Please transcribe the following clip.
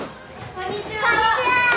・こんにちは。